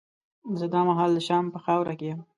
زه دا مهال د شام په خاوره کې وم.